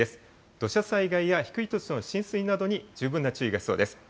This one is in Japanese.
土砂災害や低い土地の浸水などに十分な注意が必要です。